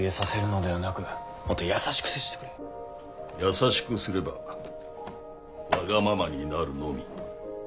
優しくすればわがままになるのみ。